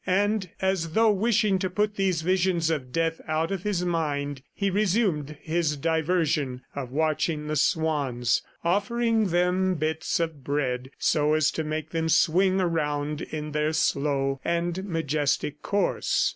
And as though wishing to put these visions of death out of his mind, he resumed his diversion of watching the swans, offering them bits of bread so as to make them swing around in their slow and majestic course.